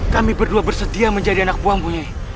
kami berdua bersedia menjadi anak buahmu nyai